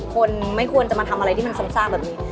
คนไม่ควรจะมาทำอะไรที่มันซ้ำซากแบบนี้